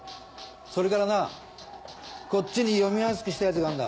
それからなこっちに読みやすくしたやつがあるんだ。